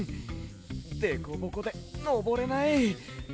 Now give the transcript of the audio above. デコボコでのぼれない。